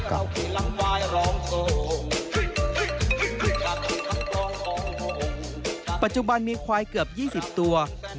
ปัจจุบันมีควายเกือบ๒๐ตัว